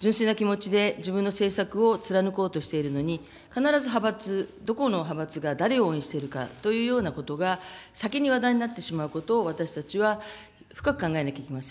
純粋な気持ちで、自分の政策を貫こうとしているのに、必ず派閥、どこの派閥が誰を応援しているかというようなことが先に話題になってしまうことを、私たちは深く考えなきゃいけません。